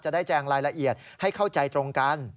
ได้แจงรายละเอียดให้เข้าใจตรงกัน